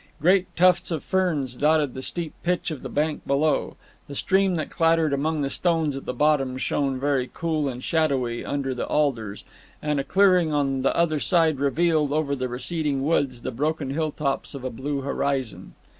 Great tufts of ferns dotted the steep pitch of the bank below; the stream that clattered among the stones at the bottom shone very cool and shadowy under the alders; and a clearing on the other side revealed, over the receding woods, the broken hill tops of a blue horizon.